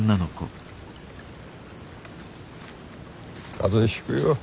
風邪ひくよ。